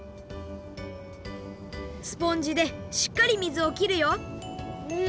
スポンジでしっかり水をきるよんん！